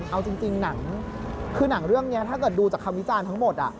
เอาจริงหนังคือหนังเรื่องนี้ถ้าเกิดดูจากคำวิจารณ์ทั้งหมด